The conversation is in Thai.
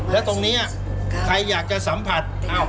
แล้วตรงนี้ใครอยากจะสัมผัส